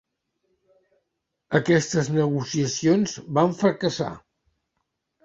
Aquestes negociacions van fracassar.